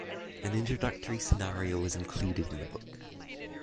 An introductory scenario was included in the book.